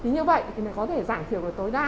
như vậy thì mình có thể giảm thiểu tối đa